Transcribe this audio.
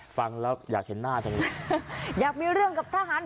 ฟังแล้วอยากเห็นหน้าจังเลยอยากมีเรื่องกับทหาร